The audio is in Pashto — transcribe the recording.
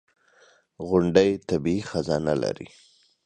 • غونډۍ طبیعي خزانه لري.